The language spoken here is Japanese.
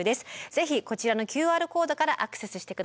ぜひこちらのＱＲコードからアクセスして下さい。